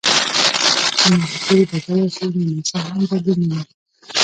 چې موسیقي بدله شي نو نڅا هم بدلون مومي.